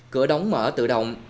cửa đóng mở tự động